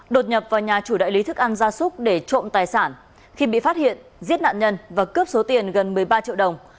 đột nhập vào nhà chủ đại lý thức ăn gia súc để trộm tài sản khi bị phát hiện giết nạn nhân và cướp số tiền gần một mươi ba triệu đồng